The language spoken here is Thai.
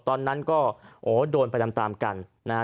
ตอนนั้นก็โอ้โดนไปตามกันนะฮะ